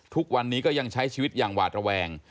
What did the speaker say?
ทุกวันนี้ก็ยังใช้ชีวิตอย่างหวาดระแวง